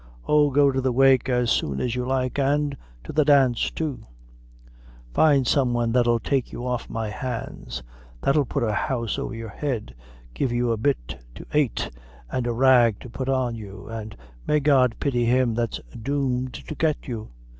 Oh! go to the wake as soon as you like, an' to the dance, too. Find some one that'll take you off of my hands; that'll put a house over your head give you a bit to ait, an' a rag to put on you; an' may God pity him that's doomed to get you!